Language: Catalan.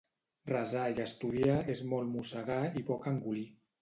Resar i estudiar és molt mossegar i poc engolir.